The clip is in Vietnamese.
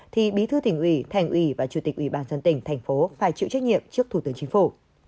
thì bí thư tỉnh ủy thành ủy và chủ tịch ủy ban dân tỉnh thành phố phải chịu trách nhiệm trước thủ tướng chính phủ